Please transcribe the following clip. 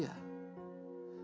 tidakkah anda merasa tertentram